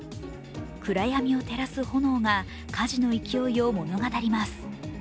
暗闇を照らす炎が火事の勢いを物語ります。